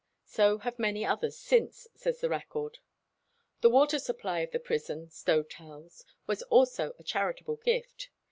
"So have many others since," says the record. The water supply of the prison, Stowe tells, was also a charitable gift.